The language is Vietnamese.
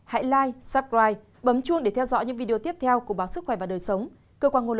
hãy like subscribe bấm chuông để theo dõi những video tiếp theo của báo sức khỏe và đời sống